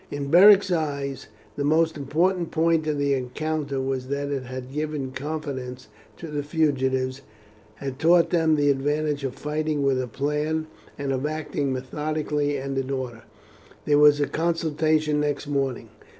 In Beric's eyes the most important point of the encounter was that it had given confidence to the fugitives, had taught them the advantage of fighting with a plan, and of acting methodically and in order. There was a consultation next morning.